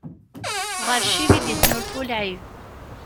Ɣer ccib i d-ittnulfu lɛib.